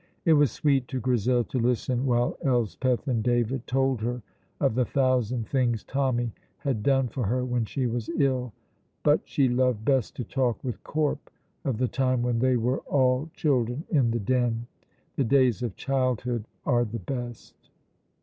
It was sweet to Grizel to listen while Elspeth and David told her of the thousand things Tommy had done for her when she was ill, but she loved best to talk with Corp of the time when they were all children in the Den. The days of childhood are the best.